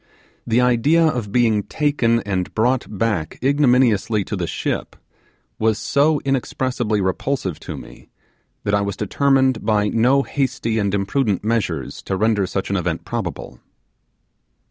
The idea of being taken and brought back ignominiously to the ship was so inexpressibly repulsive to me, that I was determined by no hasty and imprudent measures to render such an event probable.